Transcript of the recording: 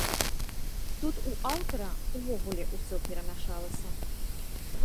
Тут у аўтара ўвогуле ўсё перамяшалася.